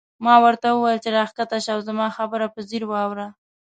ما ورته وویل چې راکښته شه او زما خبره په ځیر واوره.